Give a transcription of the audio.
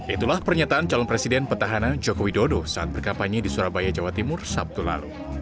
itulah pernyataan calon presiden petahana jokowi dodo saat berkampanye di surabaya jawa timur sabtu lalu